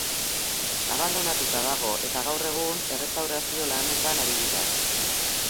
Abandonatuta dago eta gaur egun errestaurazio lanetan ari dira.